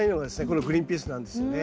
このグリーンピースなんですよね。